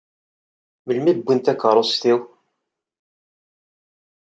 Melmi i wwin takeṛṛust-iw?